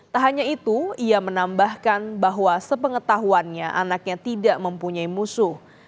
tak hanya itu ia menambahkan bahwa sepengetahuannya anaknya tidak mempunyai musuh